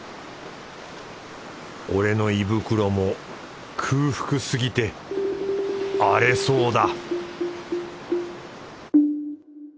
俺の胃袋も空腹すぎて荒れそうだ